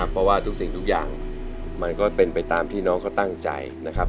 เพราะว่าทุกสิ่งทุกอย่างมันก็เป็นไปตามที่น้องเขาตั้งใจนะครับ